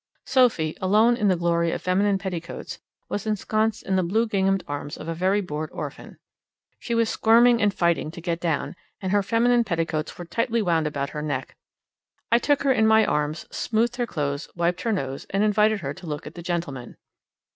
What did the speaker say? Sophie, alone in the glory of feminine petticoats, was ensconced in the blue ginghamed arms of a very bored orphan. She was squirming and fighting to get down, and her feminine petticoats were tightly wound about her neck. I took her in my arms, smoothed her clothes, wiped her nose, and invited her to look at the gentleman.